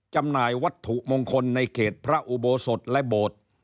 จำหน่ายวัตถุมงคลในเขตพระอุโบสถและโบสถ์